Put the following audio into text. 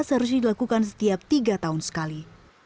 seharusnya dilakukan setiap tiga tahun sekali